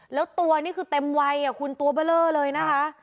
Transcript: แล้วตัวนี่คือเต็มวัยคุณตัวเบอร์เลอร์เลยนะคะ